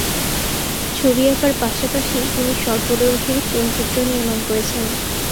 ছবি আকার পাশাপাশি তিনি স্বল্প দৈর্ঘ্যের চলচ্চিত্র নির্মান করেছেন।